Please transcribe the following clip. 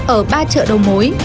ở ba chợ đầu mối